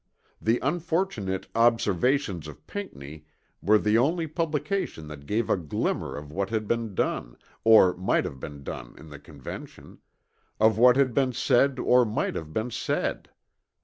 The unfortunate Observations of Pinckney were the only publication that gave a glimmer of what had been done, or might have been done in the Convention of what had been said or might have been said.